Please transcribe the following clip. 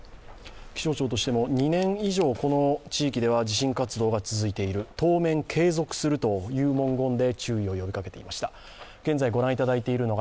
気象庁としても２年以上この地域では地震活動が続いている当面継続するという文言で注意を呼びかけていました。